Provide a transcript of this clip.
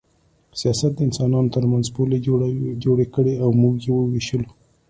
سیاست د انسانانو ترمنځ پولې جوړې کړې او موږ یې ووېشلو